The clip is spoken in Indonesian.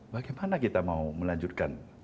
bagaimana kita mau melanjutkan